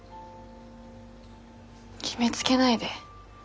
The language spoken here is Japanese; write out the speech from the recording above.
決めつけないで。